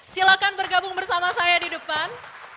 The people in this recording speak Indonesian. silahkan bergabung bersama saya di depan